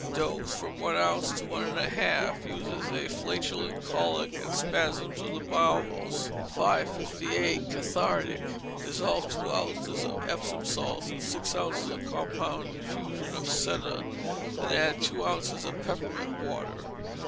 Dose, from one ounce to one and a half. Use in flatulent colic and spasms of the bowels. 558. Cathartic. Dissolve two ounces of Epsom salts in six ounces of compound infusion of senna, then add two ounces of peppermint water.